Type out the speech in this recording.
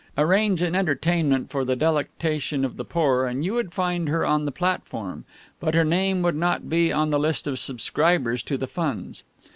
Arrange an entertainment for the delectation of the poor, and you would find her on the platform, but her name would not be on the list of subscribers to the funds.